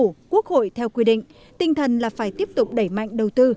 của quốc hội theo quy định tinh thần là phải tiếp tục đẩy mạnh đầu tư